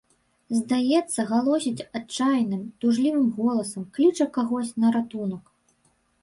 Здаецца, галосіць адчайным, тужлівым голасам, кліча кагось на ратунак.